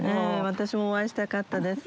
私もお会いしたかったです。